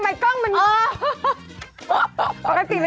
บางอย่างก็ไหว